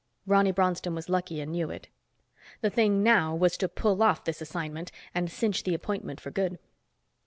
Ronny Bronston was lucky and knew it. The thing now was to pull off this assignment and cinch the appointment for good.